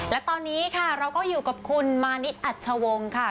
และตอนนี้ค่ะเราก็อยู่กับคุณมานิดอัชวงค่ะ